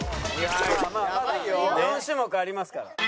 まだ４種目ありますから。